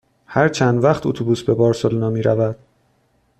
هر چند وقت اتوبوس به بارسلونا می رود؟